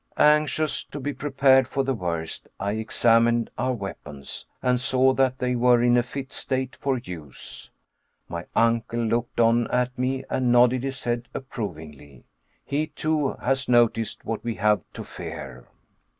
Anxious to be prepared for the worst, I examined our weapons, and saw that they were in a fit state for use. My uncle looked on at me and nodded his head approvingly. He, too, has noticed what we have to fear.